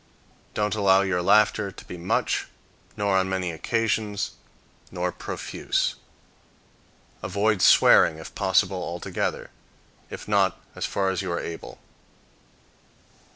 Don't allow your laughter be much, nor on many occasions, nor profuse. Avoid swearing, if possible, altogether; if not, as far as you are able.